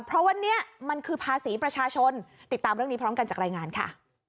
เพราะวันนี้มันคือภาษีประชาชนติดตามเรื่องนี้พร้อมกันจากรายงานค่ะ